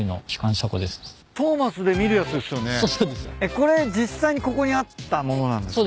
これ実際にここにあった物なんですか？